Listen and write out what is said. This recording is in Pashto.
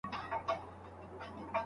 استادانو له پخوا څخه دا اصول پلي کول.